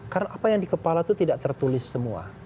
karena apa yang di kepala itu tidak tertulis semua